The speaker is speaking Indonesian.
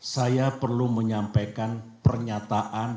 saya perlu menyampaikan pernyataan